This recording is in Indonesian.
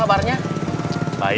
selesai ayam guravait